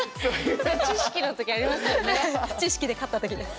知識で勝った時です。